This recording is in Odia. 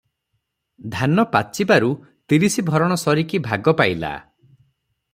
ଧାନ ପାଚିବାରୁ ତିରିଶ ଭରଣ ସରିକି ଭାଗ ପାଇଲା ।